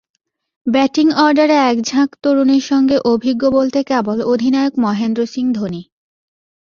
Batting অর্ডারে একঝাঁক তরুণের সঙ্গে অভিজ্ঞ বলতে কেবল অধিনায়ক মহেন্দ্র সিং ধোনি।